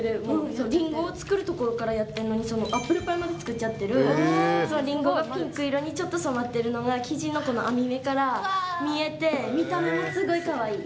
そう、りんごを作るところからやっているのに、アップルパイまで作っちゃってる、そのりんごがピンク色にちょっと染まってるのが、生地の網目から見えて、見た目もすごいかわいい。